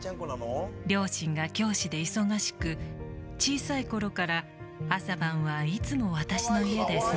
「両親が教師で忙しく小さい頃から朝晩はいつも私の家で過ごしていましたね」